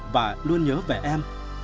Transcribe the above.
và luôn nhớ về em